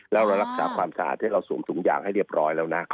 แล้วเรารักษาความสะอาดให้เราสวมถุงยางให้เรียบร้อยแล้วนะ